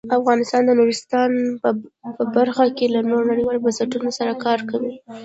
افغانستان د نورستان په برخه کې له نړیوالو بنسټونو سره کار کوي.